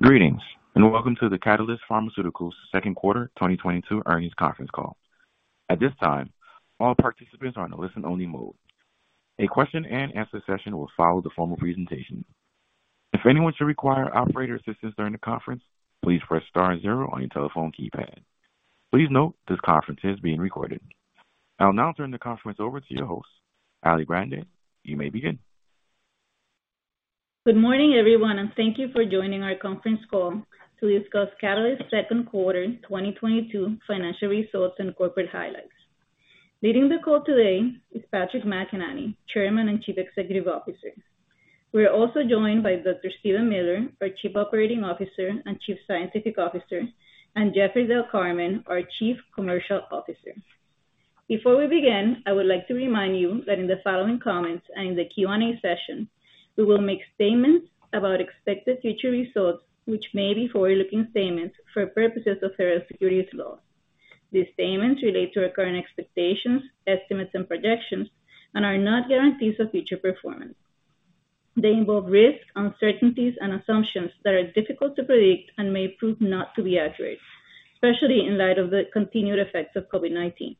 Greetings, and welcome to the Catalyst Pharmaceuticals second quarter 2022 earnings conference call. At this time, all participants are in a listen only mode. A question-and-answer session will follow the formal presentation. If anyone should require operator assistance during the conference, please press star zero on your telephone keypad. Please note this conference is being recorded. I'll now turn the conference over to your host, Alicia Grande. You may begin. Good morning, everyone, and thank you for joining our conference call to discuss Catalyst second quarter 2022 financial results and corporate highlights. Leading the call today is Patrick McEnany, Chairman and Chief Executive Officer. We are also joined by Dr. Steven Miller, our Chief Operating Officer and Chief Scientific Officer, and Jeffrey Del Carmen, our Chief Commercial Officer. Before we begin, I would like to remind you that in the following comments and in the Q&A session, we will make statements about expected future results, which may be forward-looking statements for purposes of federal securities laws. These statements relate to our current expectations, estimates, and projections and are not guarantees of future performance. They involve risks, uncertainties, and assumptions that are difficult to predict and may prove not to be accurate, especially in light of the continued effects of COVID-19.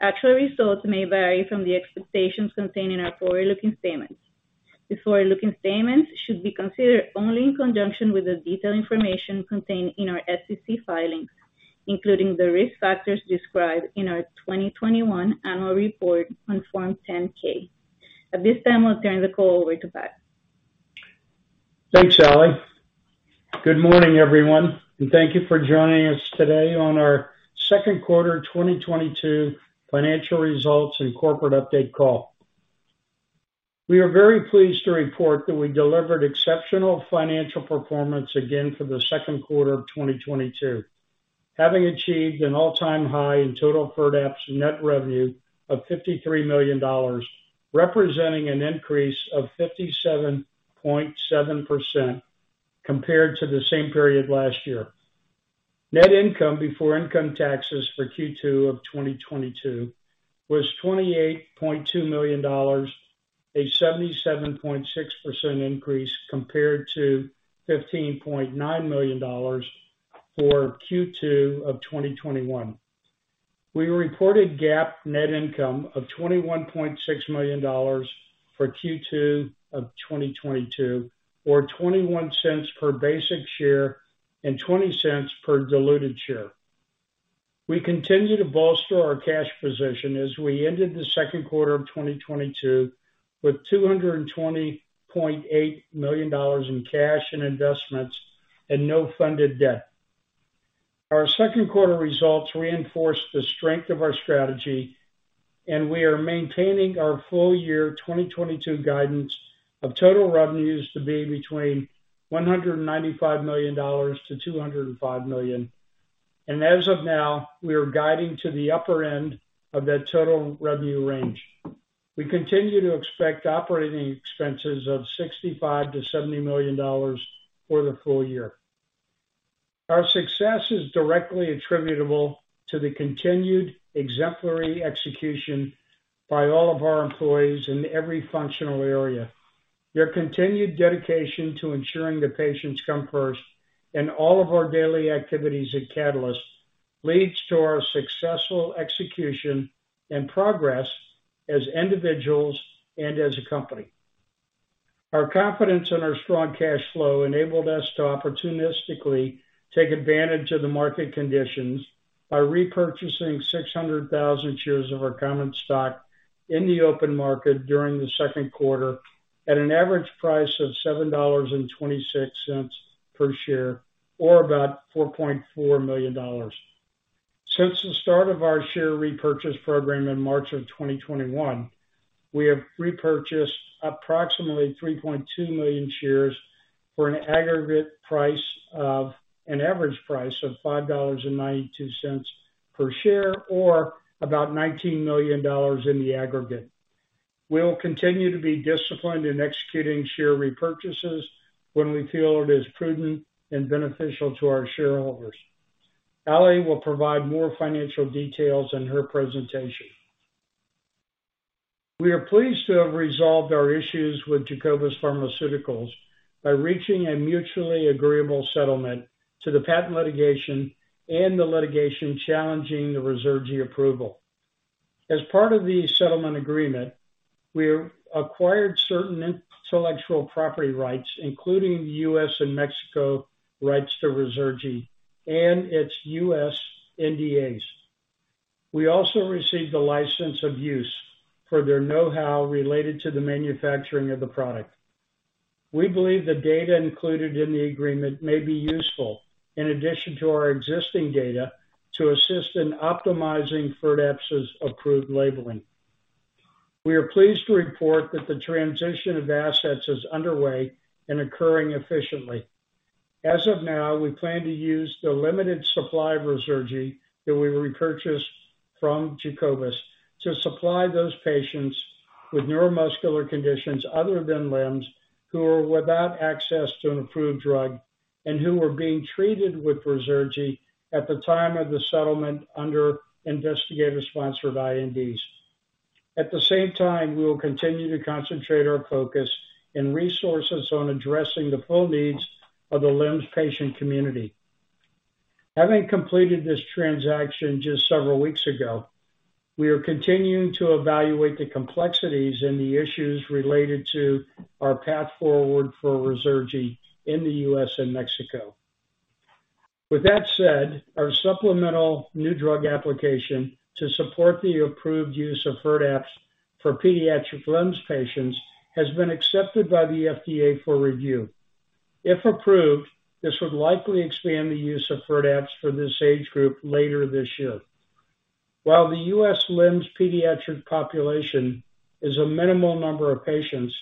Actual results may vary from the expectations contained in our forward-looking statements. The forward-looking statements should be considered only in conjunction with the detailed information contained in our SEC filings, including the risk factors described in our 2021 annual report on Form 10-K. At this time, I'll turn the call over to Pat. Thanks, Ali. Good morning, everyone, and thank you for joining us today on our second quarter 2022 financial results and corporate update call. We are very pleased to report that we delivered exceptional financial performance again for the second quarter of 2022, having achieved an all-time high in total FIRDAPSE net revenue of $53 million, representing an increase of 57.7% compared to the same period last year. Net income before income taxes for Q2 of 2022 was $28.2 million, a 77.6% increase compared to $15.9 million for Q2 of 2021. We reported GAAP net income of $21.6 million for Q2 of 2022 or $0.21 per basic share and $0.20 per diluted share. We continue to bolster our cash position as we ended the second quarter of 2022 with $220.8 million in cash and investments and no funded debt. Our second quarter results reinforce the strength of our strategy, and we are maintaining our full year 2022 guidance of total revenues to be between $195 million-$205 million. As of now, we are guiding to the upper end of that total revenue range. We continue to expect operating expenses of $65 million-$70 million for the full year. Our success is directly attributable to the continued exemplary execution by all of our employees in every functional area. Their continued dedication to ensuring that patients come first in all of our daily activities at Catalyst leads to our successful execution and progress as individuals and as a company. Our confidence in our strong cash flow enabled us to opportunistically take advantage of the market conditions by repurchasing 600,000 shares of our common stock in the open market during the second quarter at an average price of $7.26 per share, or about $4.4 million. Since the start of our share repurchase program in March 2021, we have repurchased approximately 3.2 million shares for an aggregate price of an average price of $5.92 per share, or about $19 million in the aggregate. We will continue to be disciplined in executing share repurchases when we feel it is prudent and beneficial to our shareholders. Ali will provide more financial details in her presentation. We are pleased to have resolved our issues with Jacobus Pharmaceuticals by reaching a mutually agreeable settlement to the patent litigation and the litigation challenging the Ruzurgi approval. As part of the settlement agreement, we acquired certain intellectual property rights, including the U.S. and Mexico rights to Ruzurgi and its U.S. NDAs. We also received a license of use for their know-how related to the manufacturing of the product. We believe the data included in the agreement may be useful in addition to our existing data to assist in optimizing FIRDAPSE's approved labeling. We are pleased to report that the transition of assets is underway and occurring efficiently. As of now, we plan to use the limited supply of Ruzurgi that we repurchased from Jacobus to supply those patients with neuromuscular conditions other than LEMS who are without access to an approved drug and who were being treated with Ruzurgi at the time of the settlement under investigator sponsored INDs. At the same time, we will continue to concentrate our focus and resources on addressing the full needs of the LEMS patient community. Having completed this transaction just several weeks ago, we are continuing to evaluate the complexities and the issues related to our path forward for Ruzurgi in the U.S. and Mexico. With that said, our supplemental new drug application to support the approved use of FIRDAPSE for pediatric LEMS patients has been accepted by the FDA for review. If approved, this would likely expand the use of FIRDAPSE for this age group later this year. While the U.S. LEMS pediatric population is a minimal number of patients,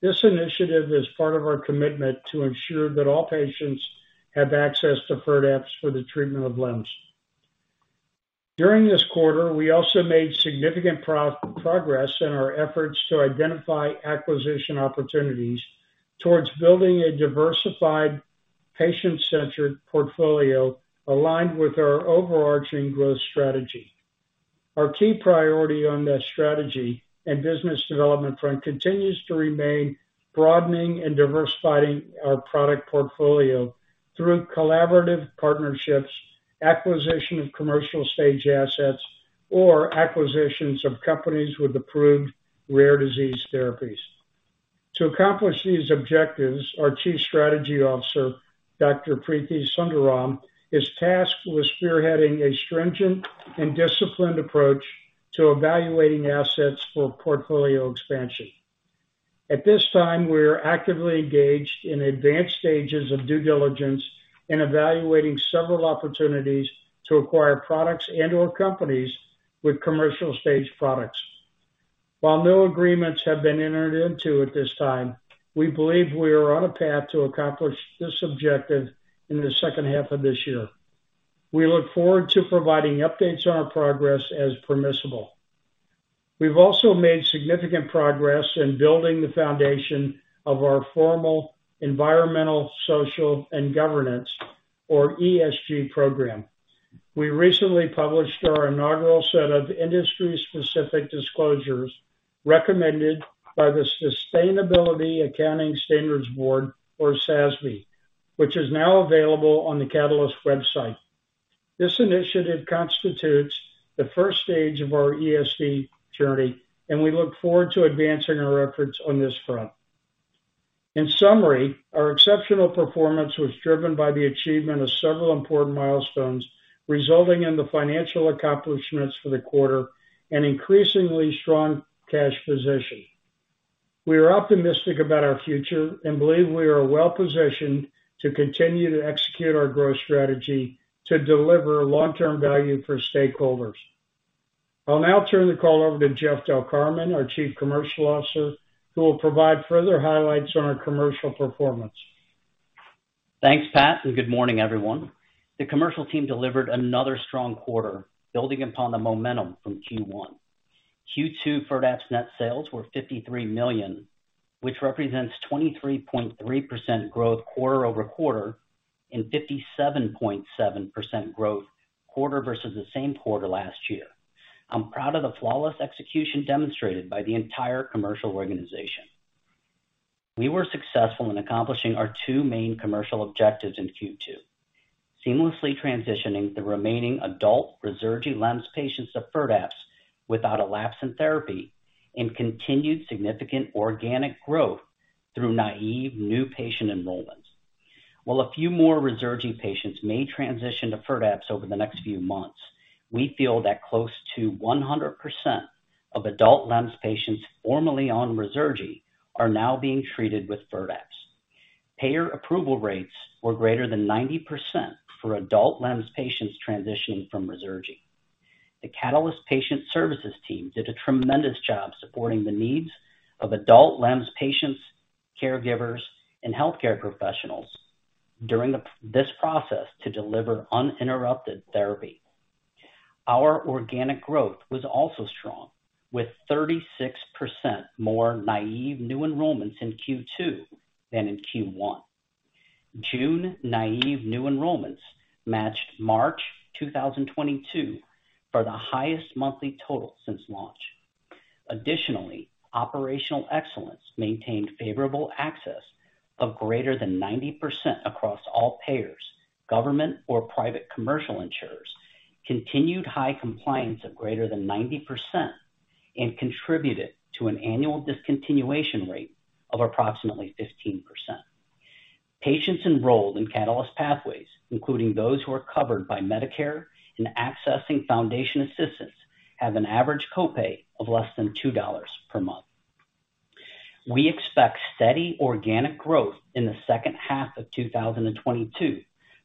this initiative is part of our commitment to ensure that all patients have access to FIRDAPSE for the treatment of LEMS. During this quarter, we also made significant progress in our efforts to identify acquisition opportunities towards building a diversified patient-centered portfolio aligned with our overarching growth strategy. Our key priority on the strategy and business development front continues to remain broadening and diversifying our product portfolio through collaborative partnerships, acquisition of commercial stage assets, or acquisitions of companies with approved rare disease therapies. To accomplish these objectives, our Chief Strategy Officer, Dr. Preethi Sundaram, is tasked with spearheading a stringent and disciplined approach to evaluating assets for portfolio expansion. At this time, we are actively engaged in advanced stages of due diligence in evaluating several opportunities to acquire products and/or companies with commercial stage products. While no agreements have been entered into at this time, we believe we are on a path to accomplish this objective in the second half of this year. We look forward to providing updates on our progress as permissible. We've also made significant progress in building the foundation of our formal environmental, social, and governance or ESG program. We recently published our inaugural set of industry specific disclosures recommended by the Sustainability Accounting Standards Board, or SASB, which is now available on the Catalyst website. This initiative constitutes the first stage of our ESG journey, and we look forward to advancing our efforts on this front. In summary, our exceptional performance was driven by the achievement of several important milestones, resulting in the financial accomplishments for the quarter and increasingly strong cash position. We are optimistic about our future and believe we are well-positioned to continue to execute our growth strategy to deliver long-term value for stakeholders. I'll now turn the call over to Jeff Del Carmen, our Chief Commercial Officer, who will provide further highlights on our commercial performance. Thanks, Pat, and good morning, everyone. The commercial team delivered another strong quarter building upon the momentum from Q1. Q2 FIRDAPSE net sales were $53 million, which represents 23.3% growth quarter-over-quarter and 57.7% growth quarter versus the same quarter last year. I'm proud of the flawless execution demonstrated by the entire commercial organization. We were successful in accomplishing our two main commercial objectives in Q2. Seamlessly transitioning the remaining adult Ruzurgi LEMS patients to FIRDAPSE without a lapse in therapy and continued significant organic growth through naive new patient enrollments. While a few more Ruzurgi patients may transition to FIRDAPSE over the next few months, we feel that close to 100% of adult LEMS patients formerly on Ruzurgi are now being treated with FIRDAPSE. Payer approval rates were greater than 90% for adult LEMS patients transitioning from Ruzurgi. The Catalyst patient services team did a tremendous job supporting the needs of adult LEMS patients, caregivers, and healthcare professionals during this process to deliver uninterrupted therapy. Our organic growth was also strong, with 36% more naive new enrollments in Q2 than in Q1. June naive new enrollments matched March 2022 for the highest monthly total since launch. Additionally, operational excellence maintained favorable access of greater than 90% across all payers, government or private commercial insurers. Continued high compliance of greater than 90% and contributed to an annual discontinuation rate of approximately 15%. Patients enrolled in Catalyst Pathways, including those who are covered by Medicare and accessing foundation assistance, have an average copay of less than $2 per month. We expect steady organic growth in the second half of 2022,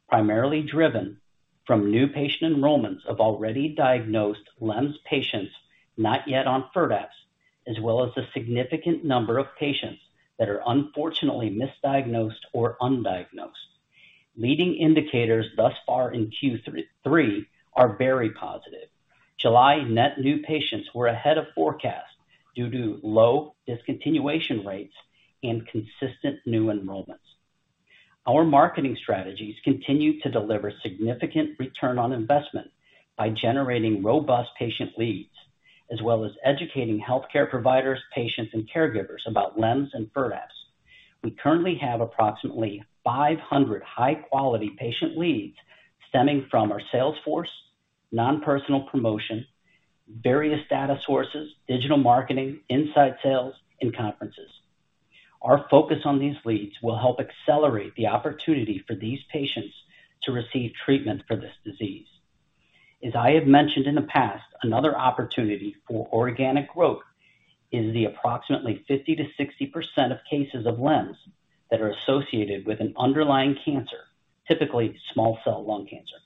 primarily driven from new patient enrollments of already diagnosed LEMS patients not yet on FIRDAPSE, as well as a significant number of patients that are unfortunately misdiagnosed or undiagnosed. Leading indicators thus far in Q3 are very positive. July net new patients were ahead of forecast due to low discontinuation rates and consistent new enrollments. Our marketing strategies continue to deliver significant return on investment by generating robust patient leads, as well as educating healthcare providers, patients, and caregivers about LEMS and FIRDAPSE. We currently have approximately 500 high-quality patient leads stemming from our sales force, non-personal promotion, various data sources, digital marketing, inside sales, and conferences. Our focus on these leads will help accelerate the opportunity for these patients to receive treatment for this disease. As I have mentioned in the past, another opportunity for organic growth is the approximately 50%-60% of cases of LEMS that are associated with an underlying cancer, typically small cell lung cancer.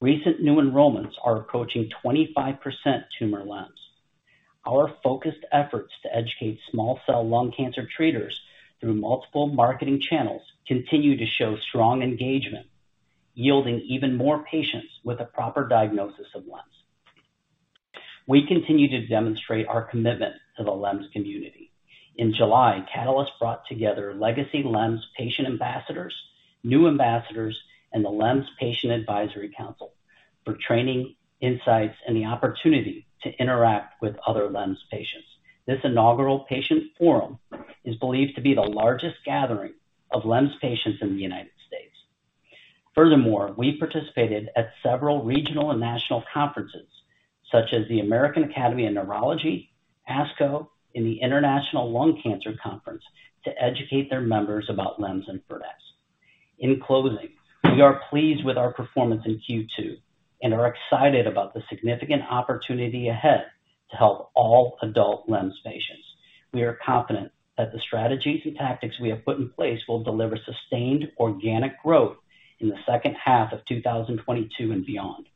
Recent new enrollments are approaching 25% tumor LEMS. Our focused efforts to educate small cell lung cancer treaters through multiple marketing channels continue to show strong engagement, yielding even more patients with a proper diagnosis of LEMS. We continue to demonstrate our commitment to the LEMS community. In July, Catalyst brought together legacy LEMS patient ambassadors, new ambassadors, and the LEMS Patient Advisory Council for training, insights, and the opportunity to interact with other LEMS patients. This inaugural patient forum is believed to be the largest gathering of LEMS patients in the United States. Furthermore, we participated at several regional and national conferences such as the American Academy of Neurology, ASCO, and the World Conference on Lung Cancer to educate their members about LEMS and FIRDAPSE. In closing, we are pleased with our performance in Q2 and are excited about the significant opportunity ahead to help all adult LEMS patients. We are confident that the strategies and tactics we have put in place will deliver sustained organic growth in the second half of 2022 and beyond.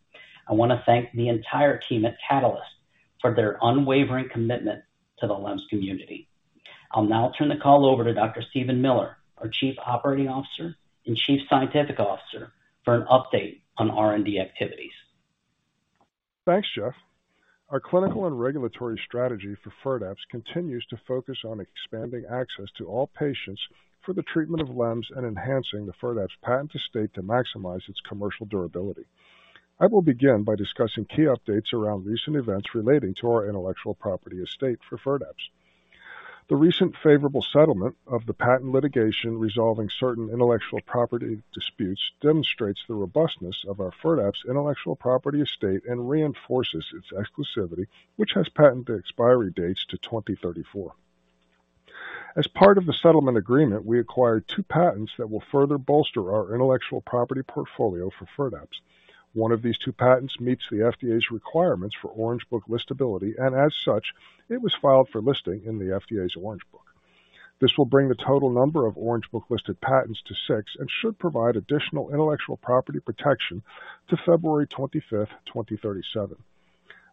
I want to thank the entire team at Catalyst for their unwavering commitment to the LEMS community. I'll now turn the call over to Dr. Steven Miller, our Chief Operating Officer and Chief Scientific Officer, for an update on R&D activities. Thanks, Jeff. Our clinical and regulatory strategy for FIRDAPSE continues to focus on expanding access to all patients for the treatment of LEMS and enhancing the FIRDAPSE patent estate to maximize its commercial durability. I will begin by discussing key updates around recent events relating to our intellectual property estate for FIRDAPSE. The recent favorable settlement of the patent litigation resolving certain intellectual property disputes demonstrates the robustness of our FIRDAPSE intellectual property estate and reinforces its exclusivity, which has patent expiry dates to 2034. As part of the settlement agreement, we acquired two patents that will further bolster our intellectual property portfolio for FIRDAPSE. One of these two patents meets the FDA's requirements for Orange Book listability, and as such, it was filed for listing in the FDA's Orange Book. This will bring the total number of Orange Book-listed patents to six and should provide additional intellectual property protection to February 25th, 2037.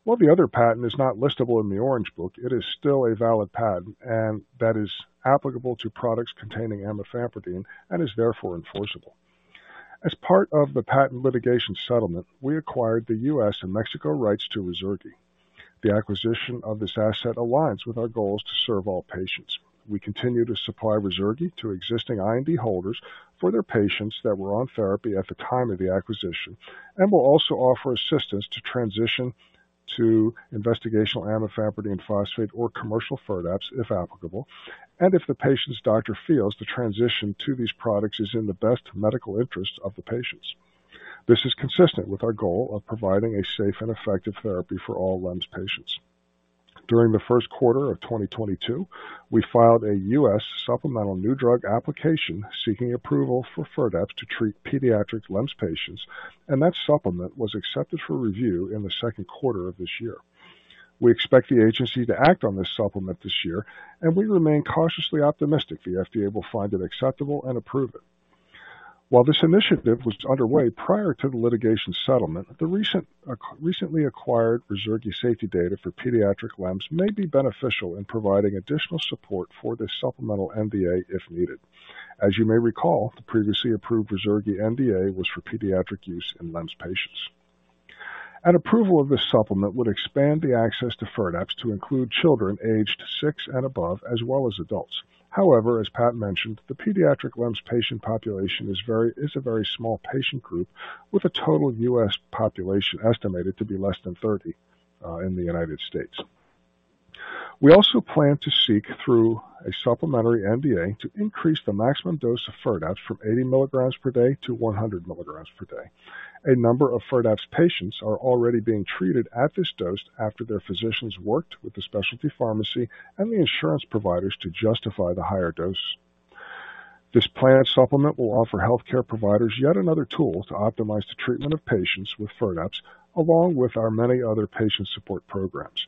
While the other patent is not listable in the Orange Book, it is still a valid patent and that is applicable to products containing amifampridine and is therefore enforceable. As part of the patent litigation settlement, we acquired the U.S. and Mexico rights to Ruzurgi. The acquisition of this asset aligns with our goals to serve all patients. We continue to supply Ruzurgi to existing IND holders for their patients that were on therapy at the time of the acquisition and will also offer assistance to transition to investigational amifampridine phosphate or commercial FIRDAPSE, if applicable, and if the patient's doctor feels the transition to these products is in the best medical interest of the patients. This is consistent with our goal of providing a safe and effective therapy for all LEMS patients. During the first quarter of 2022, we filed a U.S. supplemental new drug application seeking approval for FIRDAPSE to treat pediatric LEMS patients, and that supplement was accepted for review in the second quarter of this year. We expect the agency to act on this supplement this year, and we remain cautiously optimistic the FDA will find it acceptable and approve it. While this initiative was underway prior to the litigation settlement, the recently acquired Ruzurgi safety data for pediatric LEMS may be beneficial in providing additional support for this supplemental NDA if needed. As you may recall, the previously approved Ruzurgi NDA was for pediatric use in LEMS patients. An approval of this supplement would expand the access to FIRDAPSE to include children aged six and above as well as adults. However, as Pat mentioned, the pediatric LEMS patient population is a very small patient group with a total U.S. population estimated to be less than 30 in the United States. We also plan to seek through a supplementary NDA to increase the maximum dose of FIRDAPSE from 80 mg per day to 100 mg per day. A number of FIRDAPSE patients are already being treated at this dose after their physicians worked with the specialty pharmacy and the insurance providers to justify the higher dose. This planned supplement will offer healthcare providers yet another tool to optimize the treatment of patients with FIRDAPSE, along with our many other patient support programs.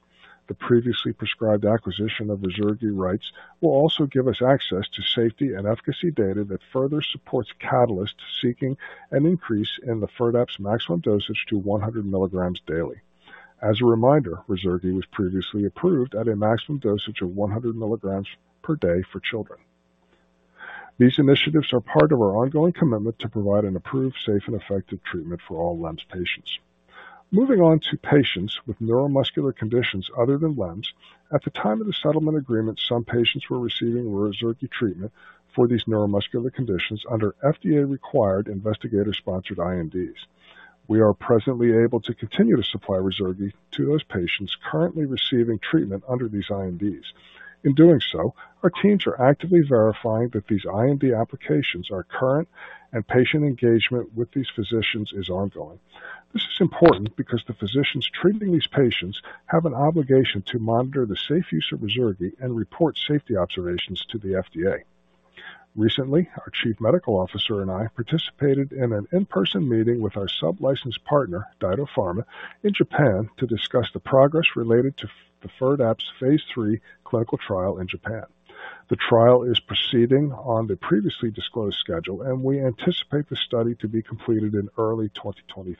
The previously prescribed acquisition of Ruzurgi rights will also give us access to safety and efficacy data that further supports Catalyst seeking an increase in the FIRDAPSE maximum dosage to 100 mg daily. As a reminder, Ruzurgi was previously approved at a maximum dosage of 100 mg per day for children. These initiatives are part of our ongoing commitment to provide an approved, safe, and effective treatment for all LEMS patients. Moving on to patients with neuromuscular conditions other than LEMS. At the time of the settlement agreement, some patients were receiving Ruzurgi treatment for these neuromuscular conditions under FDA-required investigator-sponsored INDs. We are presently able to continue to supply Ruzurgi to those patients currently receiving treatment under these INDs. In doing so, our teams are actively verifying that these IND applications are current and patient engagement with these physicians is ongoing. This is important because the physicians treating these patients have an obligation to monitor the safe use of Ruzurgi and report safety observations to the FDA. Recently, our Chief Medical Officer and I participated in an in-person meeting with our sub-licensed partner, Daito Pharma, in Japan to discuss the progress related to the FIRDAPSE phase III clinical trial in Japan. The trial is proceeding on the previously disclosed schedule, and we anticipate the study to be completed in early 2023.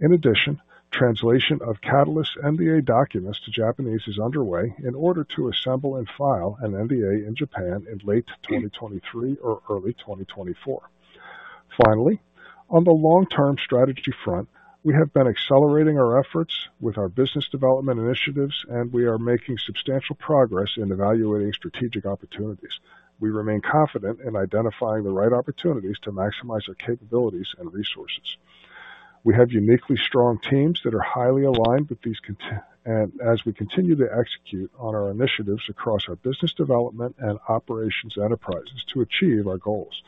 In addition, translation of Catalyst NDA documents to Japanese is underway in order to assemble and file an NDA in Japan in late 2023 or early 2024. Finally, on the long-term strategy front, we have been accelerating our efforts with our business development initiatives, and we are making substantial progress in evaluating strategic opportunities. We remain confident in identifying the right opportunities to maximize our capabilities and resources. We have uniquely strong teams that are highly aligned with these. As we continue to execute on our initiatives across our business development and operations enterprises to achieve our goals.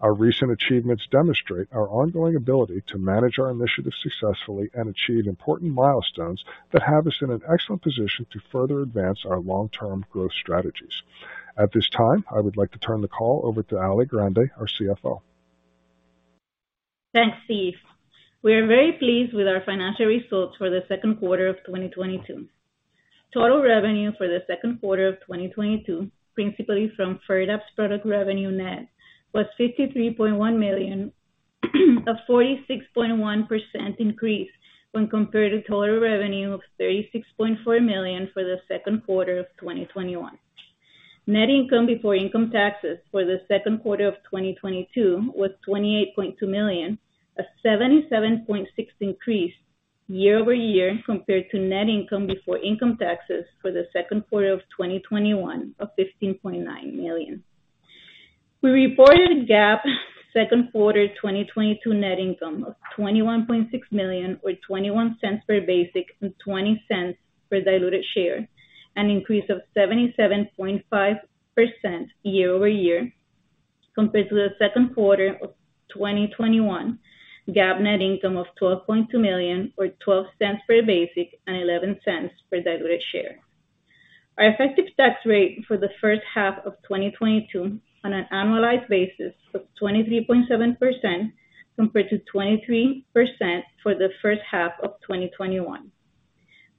Our recent achievements demonstrate our ongoing ability to manage our initiatives successfully and achieve important milestones that have us in an excellent position to further advance our long-term growth strategies. At this time, I would like to turn the call over to Ali Grande, our CFO. Thanks, Steve. We are very pleased with our financial results for the second quarter of 2022. Total revenue for the second quarter of 2022, principally from FIRDAPSE product revenue net, was $53.1 million, a 46.1% increase when compared to total revenue of $36.4 million for the second quarter of 2021. Net income before income taxes for the second quarter of 2022 was $28.2 million, a 77.6% increase year-over-year compared to net income before income taxes for the second quarter of 2021 of $15.9 million. We reported GAAP second quarter 2022 net income of $21.6 million, or $0.21 per basic and $0.20 per diluted share, an increase of 77.5% year-over-year compared to the second quarter of 2021 GAAP net income of $12.2 million, or $0.12 per basic and $0.11 per diluted share. Our effective tax rate for the first half of 2022 on an annualized basis was 23.7%, compared to 23% for the first half of 2021.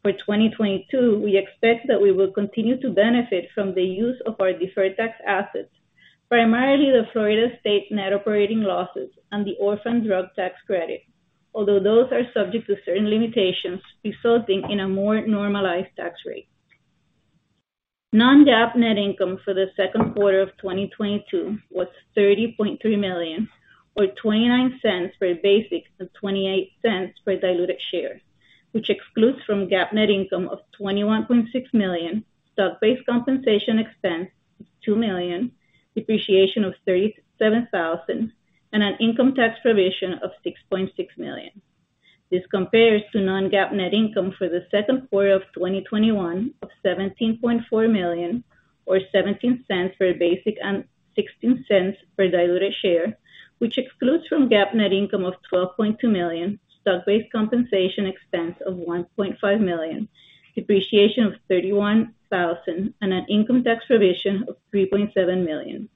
For 2022, we expect that we will continue to benefit from the use of our deferred tax assets, primarily the Florida State net operating losses and the Orphan Drug Tax Credit. Although those are subject to certain limitations resulting in a more normalized tax rate. Non-GAAP net income for the second quarter of 2022 was $30.3 million, or $0.29 per basic and $0.28 per diluted share, which excludes from GAAP net income of $21.6 million, stock-based compensation expense of $2 million, depreciation of $37,000, and an income tax provision of $6.6 million. This compares to non-GAAP net income for the second quarter of 2021 of $17.4 million or $0.17 per basic and $0.16 per diluted share, which excludes from GAAP net income of $12.2 million, stock-based compensation expense of $1.5 million, depreciation of $31,000, and an income tax provision of $3.7 million.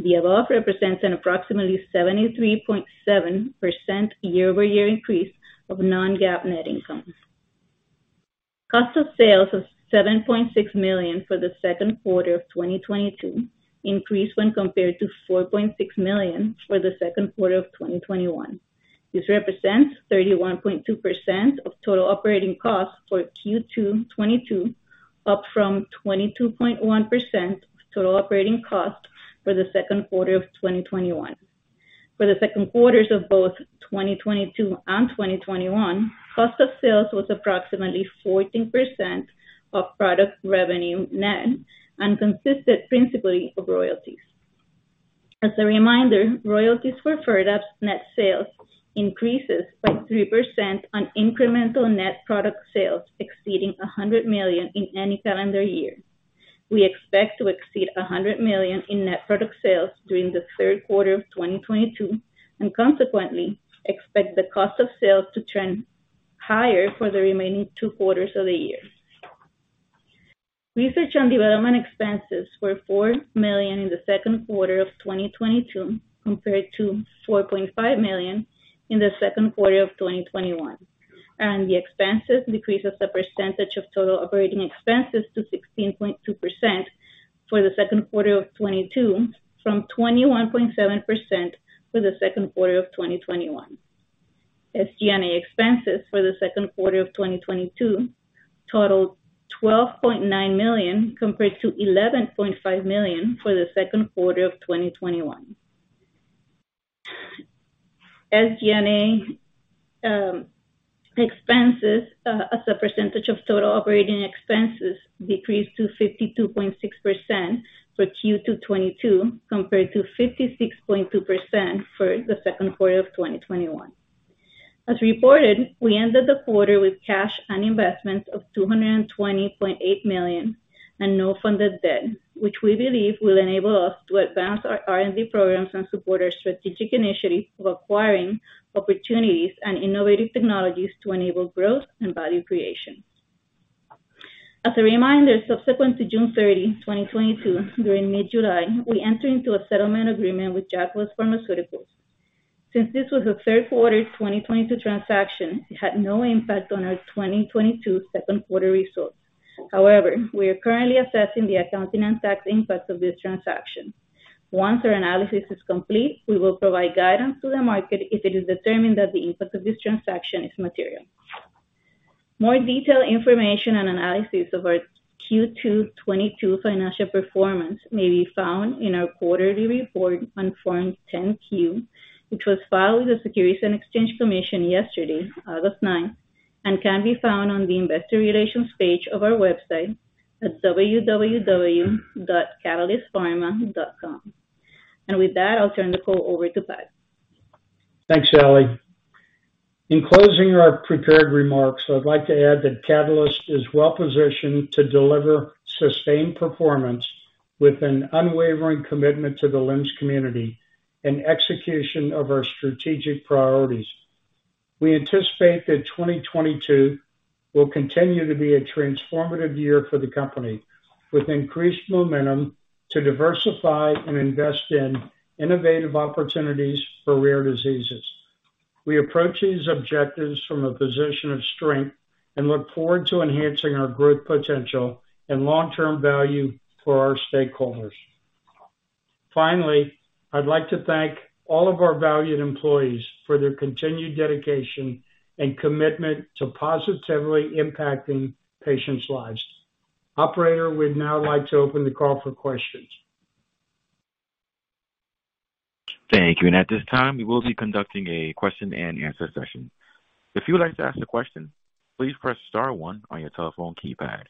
The above represents an approximately 73.7% year-over-year increase of non-GAAP net income. Cost of sales was $7.6 million for the second quarter of 2022, increased when compared to $4.6 million for the second quarter of 2021. This represents 31.2% of total operating costs for Q2 2022, up from 22.1% of total operating costs for the second quarter of 2021. For the second quarters of both 2022 and 2021, cost of sales was approximately 14% of net product revenue and consisted principally of royalties. As a reminder, royalties for FIRDAPSE net sales increases by 3% on incremental net product sales exceeding $100 million in any calendar year. We expect to exceed $100 million in net product sales during the third quarter of 2022 and consequently expect the cost of sales to trend higher for the remaining two quarters of the year. Research and development expenses were $4 million in the second quarter of 2022, compared to $4.5 million in the second quarter of 2021. The expenses decrease as a percentage of total operating expenses to 16.2% for the second quarter of 2022 from 21.7% for the second quarter of 2021. SG&A expenses for the second quarter of 2022 totaled $12.9 million, compared to $11.5 million for the second quarter of 2021. SG&A expenses as a percentage of total operating expenses decreased to 52.6% for Q2 2022 compared to 56.2% for the second quarter of 2021. As reported, we ended the quarter with cash and investments of $220.8 million and no funded debt, which we believe will enable us to advance our R&D programs and support our strategic initiatives of acquiring opportunities and innovative technologies to enable growth and value creation. As a reminder, subsequent to June 30, 2022, during mid-July, we entered into a settlement agreement with Jacobus Pharmaceuticals. Since this was a third quarter 2022 transaction, it had no impact on our 2022 second quarter results. However, we are currently assessing the accounting and tax impact of this transaction. Once our analysis is complete, we will provide guidance to the market if it is determined that the impact of this transaction is material. More detailed information and analysis of our Q2 2022 financial performance may be found in our quarterly report on Form 10-Q, which was filed with the Securities and Exchange Commission yesterday, August ninth, and can be found on the Investor Relations page of our website at www.catalystpharma.com. With that, I'll turn the call over to Pat. Thanks, Ali. In closing our prepared remarks, I'd like to add that Catalyst is well-positioned to deliver sustained performance with an unwavering commitment to the LEMS community and execution of our strategic priorities. We anticipate that 2022 will continue to be a transformative year for the company, with increased momentum to diversify and invest in innovative opportunities for rare diseases. We approach these objectives from a position of strength and look forward to enhancing our growth potential and long-term value for our stakeholders. Finally, I'd like to thank all of our valued employees for their continued dedication and commitment to positively impacting patients' lives. Operator, we'd now like to open the call for questions. Thank you. At this time, we will be conducting a question-and-answer session. If you would like to ask a question, please press star one on your telephone keypad.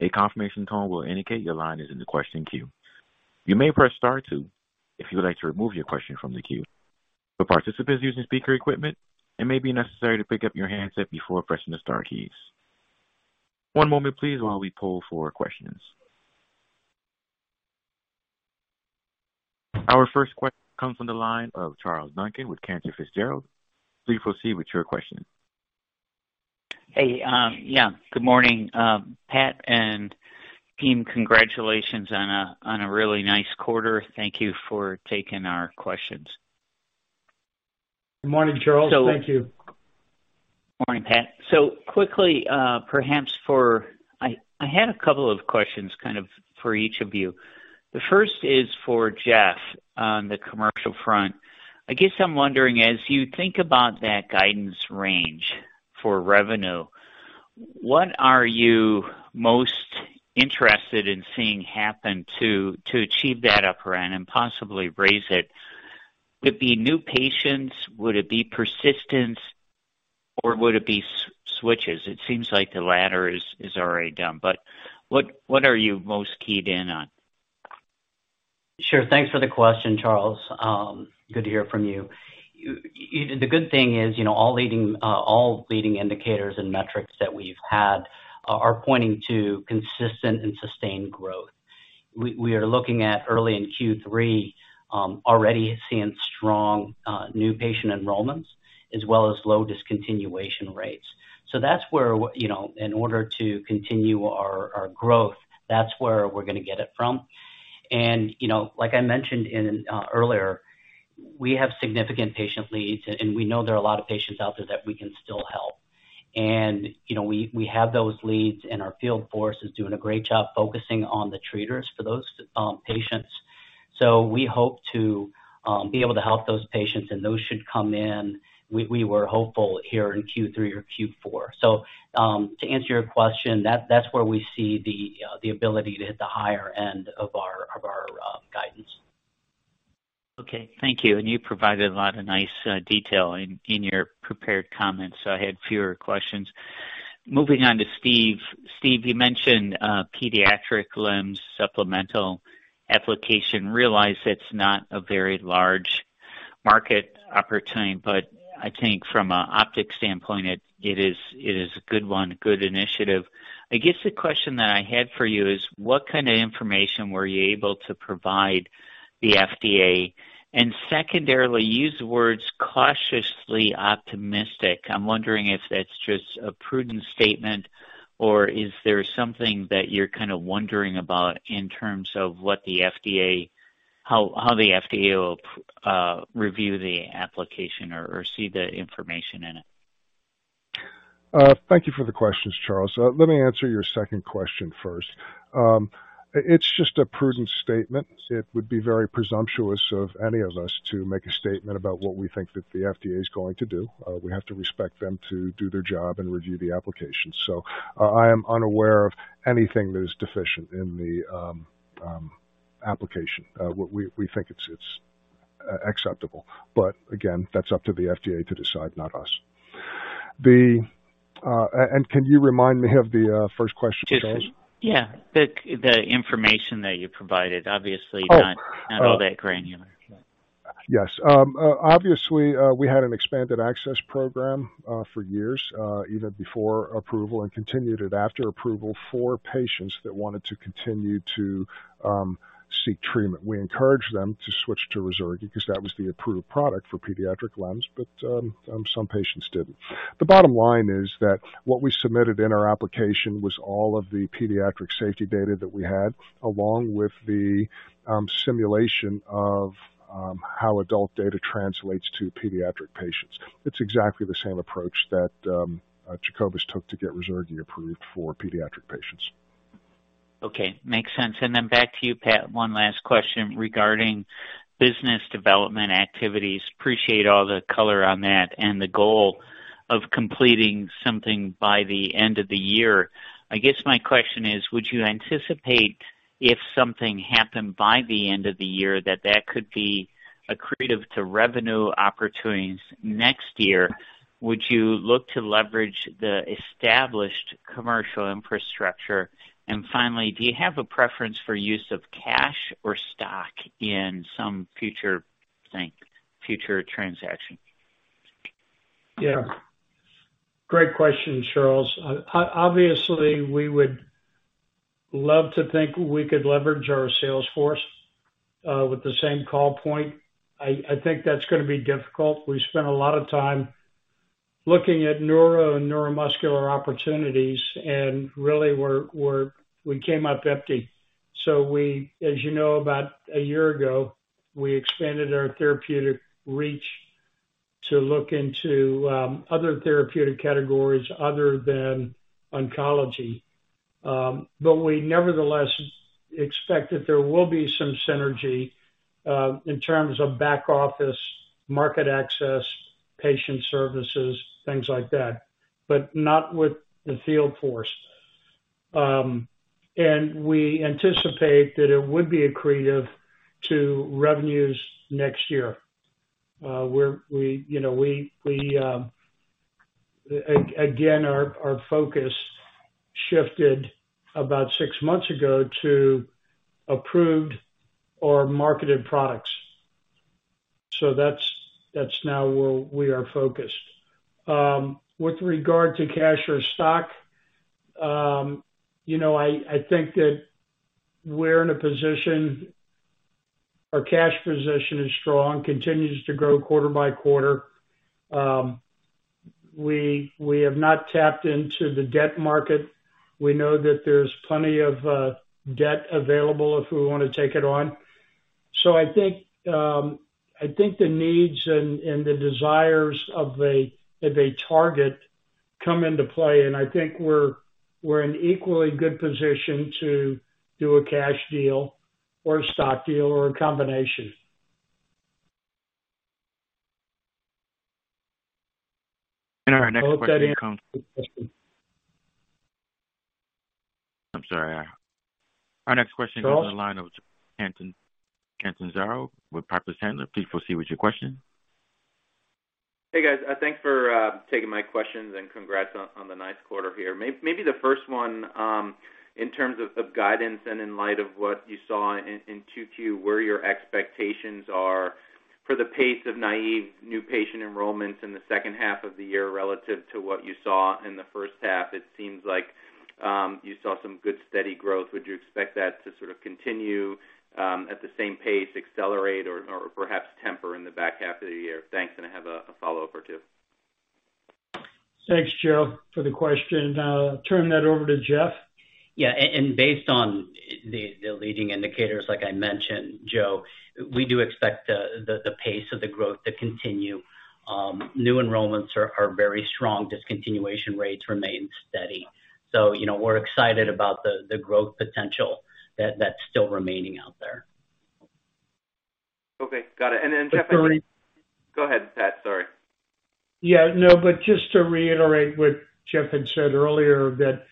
A confirmation tone will indicate your line is in the question queue. You may press star two if you would like to remove your question from the queue. For participants using speaker equipment, it may be necessary to pick up your handset before pressing the star keys. One moment please while we poll for questions. Our first question comes from the line of Charles Duncan with Cantor Fitzgerald. Please proceed with your question. Hey, good morning, Pat and team. Congratulations on a really nice quarter. Thank you for taking our questions. Good morning, Charles. Thank you. Morning, Pat. Quickly, perhaps I had a couple of questions kind of for each of you. The first is for Jeff on the commercial front. I guess I'm wondering, as you think about that guidance range for revenue, what are you most interested in seeing happen to achieve that upper end and possibly raise it? Would it be new patients? Would it be persistence, or would it be switches? It seems like the latter is already done, but what are you most keyed in on? Sure. Thanks for the question, Charles. Good to hear from you. The good thing is, you know, all leading indicators and metrics that we've had are pointing to consistent and sustained growth. We are looking at early in Q3, already seeing strong new patient enrollments as well as low discontinuation rates. That's where, you know, in order to continue our growth, that's where we're going to get it from. You know, like I mentioned earlier, we have significant patient leads, and we know there are a lot of patients out there that we can still help. You know, we have those leads, and our field force is doing a great job focusing on the treaters for those patients. We hope to be able to help those patients. Those should come in, we were hopeful here in Q3 or Q4. To answer your question, that's where we see the ability to hit the higher end of our guidance. Okay. Thank you. You provided a lot of nice detail in your prepared comments. So I had fewer questions. Moving on to Steve. Steve, you mentioned a pediatric LEMS supplemental application. Realize it's not a very large market opportunity, but I think from an optics standpoint, it is a good one, a good initiative. I guess the question that I had for you is what kind of information were you able to provide the FDA? And secondarily, you used the words cautiously optimistic. I'm wondering if that's just a prudent statement or is there something that you're kind of wondering about in terms of what the FDA how the FDA will review the application or see the information in it? Thank you for the questions, Charles. Let me answer your second question first. It's just a prudent statement. It would be very presumptuous of any of us to make a statement about what we think that the FDA is going to do. We have to respect them to do their job and review the application. I am unaware of anything that is deficient in the application. We think it's acceptable. Again, that's up to the FDA to decide, not us. Can you remind me of the first question, Charles? The information that you provided, obviously. Oh. Not all that granular. Yes. Obviously, we had an expanded access program for years, even before approval and continued it after approval for patients that wanted to continue to seek treatment. We encouraged them to switch to Ruzurgi because that was the approved product for pediatric LEMS, but some patients didn't. The bottom line is that what we submitted in our application was all of the pediatric safety data that we had, along with the simulation of how adult data translates to pediatric patients. It's exactly the same approach that Jacobus took to get Ruzurgi approved for pediatric patients. Okay. Makes sense. Back to you, Pat, one last question regarding business development activities. Appreciate all the color on that and the goal of completing something by the end of the year. I guess my question is, would you anticipate if something happened by the end of the year that could be accretive to revenue opportunities next year? Would you look to leverage the established commercial infrastructure? Finally, do you have a preference for use of cash or stock in some future thing, future transaction? Yeah. Great question, Charles. Obviously, we would love to think we could leverage our sales force with the same call point. I think that's gonna be difficult. We spent a lot of time looking at neuro and neuromuscular opportunities, and really we came up empty. As you know, about a year ago, we expanded our therapeutic reach to look into other therapeutic categories other than oncology. We nevertheless expect that there will be some synergy in terms of back office, market access, patient services, things like that, but not with the field force. We anticipate that it would be accretive to revenues next year. You know, our focus shifted about six months ago to approved or marketed products. That's now where we are focused. With regard to cash or stock, you know, I think that we're in a position. Our cash position is strong, continues to grow quarter by quarter. We have not tapped into the debt market. We know that there's plenty of debt available if we wanna take it on. I think the needs and the desires of a target come into play, and I think we're in equally good position to do a cash deal or a stock deal or a combination. Our next question comes. I hope that answers the question. I'm sorry. Our next question comes on the line of Joseph Catanzaro with Piper Sandler. Please proceed with your question. Hey, guys. Thanks for taking my questions and congrats on the nice quarter here. Maybe the first one, in terms of guidance and in light of what you saw in 2Q, where your expectations are for the pace of naive new patient enrollments in the second half of the year relative to what you saw in the first half. It seems like you saw some good steady growth. Would you expect that to sort of continue at the same pace, accelerate or perhaps temper in the back half of the year? Thanks. I have a follow-up or two. Thanks, Joe, for the question. Turn that over to Jeff. Yeah. And based on the leading indicators, like I mentioned, Joe, we do expect the pace of the growth to continue. New enrollments are very strong. Discontinuation rates remain steady. You know, we're excited about the growth potential that's still remaining out there. Okay. Got it. Jeff- To re- Go ahead, Pat. Sorry. Yeah. No, just to reiterate what Jeff had said earlier, that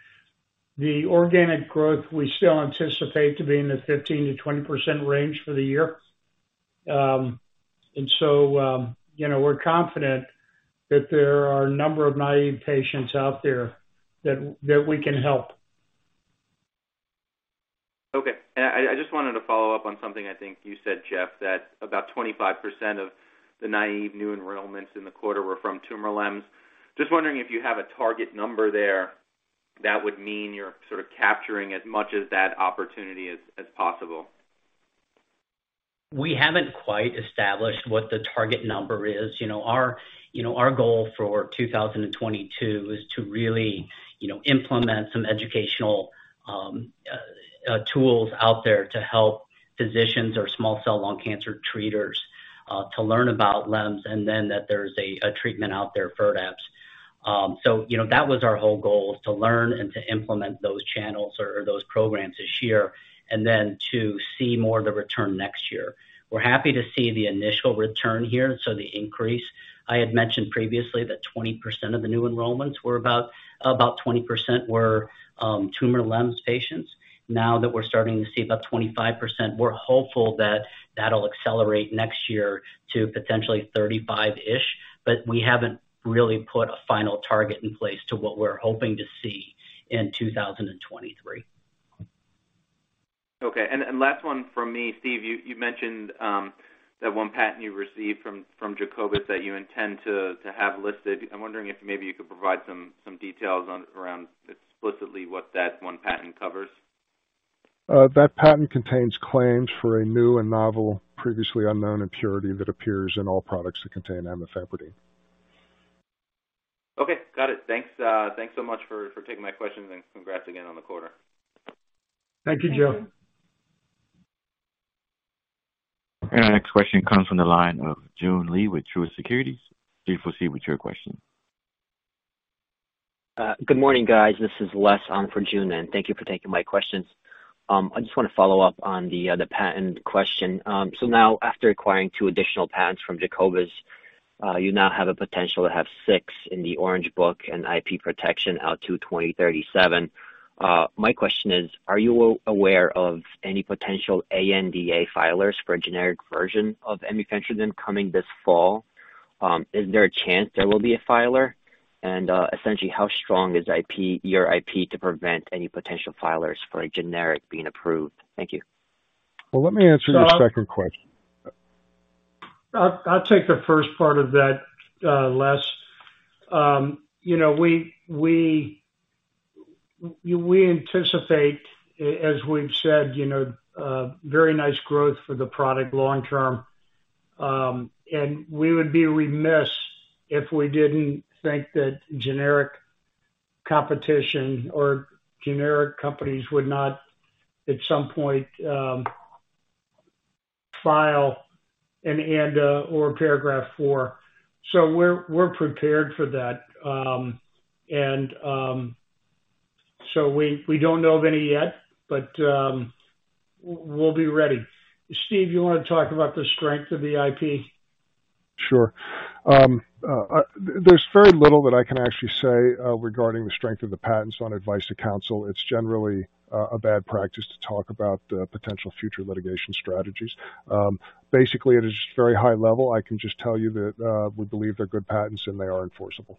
the organic growth we still anticipate to be in the 15%-20% range for the year. You know, we're confident that there are a number of naive patients out there that we can help. Okay. I just wanted to follow-up on something I think you said, Jeff, that about 25% of the naive new enrollments in the quarter were from tumor LEMS. Just wondering if you have a target number there that would mean you're sort of capturing as much as that opportunity as possible. We haven't quite established what the target number is. You know, our goal for 2022 is to really, you know, implement some educational tools out there to help physicians or small cell lung cancer treaters to learn about LEMS and then that there's a treatment out there, FIRDAPSE. You know, that was our whole goal is to learn and to implement those channels or those programs this year, and then to see more of the return next year. We're happy to see the initial return here, so the increase. I had mentioned previously that 20% of the new enrollments were tumor LEMS patients. Now that we're starting to see about 25%, we're hopeful that that'll accelerate next year to potentially 35-ish%. We haven't really put a final target in place to what we're hoping to see in 2023. Okay. Last one from me. Steven, you mentioned that one patent you received from Jacobus that you intend to have listed. I'm wondering if maybe you could provide some details on around explicitly what that one patent covers? That patent contains claims for a new and novel previously unknown impurity that appears in all products that contain amifampridine. Okay. Got it. Thanks so much for taking my questions, and congrats again on the quarter. Thank you, Joe. Thank you. Our next question comes from the line of Joon Lee with Truist Securities. Please proceed with your question. Good morning, guys. This is Les on for Joon, and thank you for taking my questions. I just wanna follow-up on the patent question. So now after acquiring two additional patents from Jacobus, you now have a potential to have six in the Orange Book and IP protection out to 2037. My question is, are you aware of any potential ANDA filers for a generic version of amifampridine coming this fall? Is there a chance there will be a filer? Essentially how strong is your IP to prevent any potential filers for a generic being approved? Thank you. Well, let me answer your second question. I'll take the first part of that, Les. You know, we anticipate, as we've said, you know, very nice growth for the product long term. We would be remiss if we didn't think that generic competition or generic companies would not, at some point, file an ANDA or a Paragraph IV. We're prepared for that. We don't know of any yet, but we'll be ready. Steve, you wanna talk about the strength of the IP? Sure. There's very little that I can actually say regarding the strength of the patents on advice of counsel. It's generally a bad practice to talk about potential future litigation strategies. Basically, it is very high level. I can just tell you that we believe they're good patents and they are enforceable.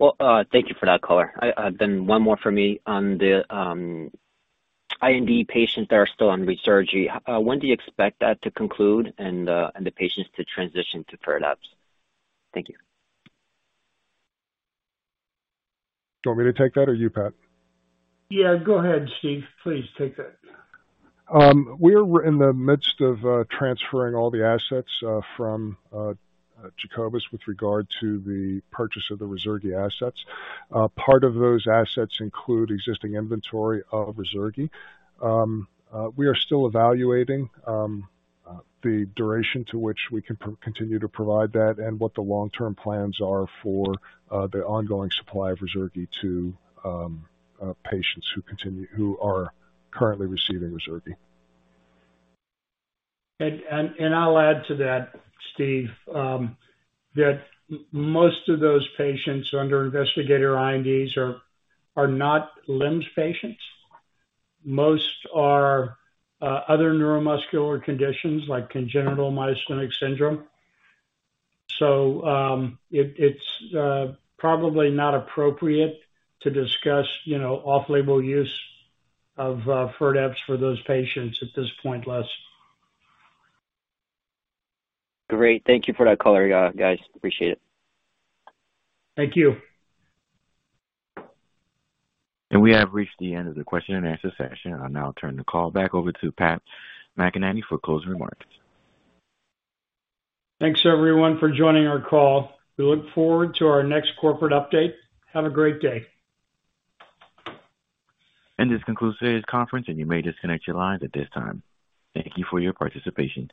Well, thank you for that color. I then one more for me on the IND patients that are still on Ruzurgi. When do you expect that to conclude and the patients to transition to FIRDAPSE? Thank you. Do you want me to take that or you, Pat? Yeah, go ahead, Steve. Please take that. We're in the midst of transferring all the assets from Jacobus with regard to the purchase of the Ruzurgi assets. Part of those assets include existing inventory of Ruzurgi. We are still evaluating the duration to which we can continue to provide that and what the long-term plans are for the ongoing supply of Ruzurgi to patients who are currently receiving Ruzurgi. I'll add to that, Steve, that most of those patients under investigator INDs are not LEMS patients. Most are other neuromuscular conditions like congenital myasthenic syndrome. It's probably not appropriate to discuss, you know, off-label use of FIRDAPSE for those patients at this point, Les. Great. Thank you for that color, guys. Appreciate it. Thank you. We have reached the end of the question-and-answer session. I'll now turn the call back over to Patrick McEnany for closing remarks. Thanks everyone for joining our call. We look forward to our next corporate update. Have a great day. This concludes today's conference, and you may disconnect your lines at this time. Thank you for your participation.